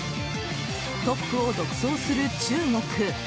トップを独走する中国。